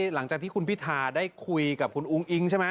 หลังจากที่คุณพิธาได้คุยกับคุณอุ้งอิ๊งใช่ไหม